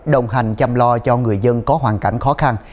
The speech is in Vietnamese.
đồng hành chăm lo cho người dân có hoàn cảnh khó khăn